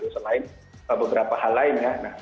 selain beberapa hal lainnya